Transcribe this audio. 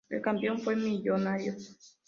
El campeón fue Millonarios.